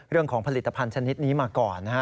เรื่องของผลิตภัณฑ์ชนิดนี้มาก่อนนะฮะ